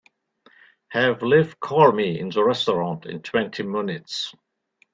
Have Liv call me in the restaurant in twenty minutes.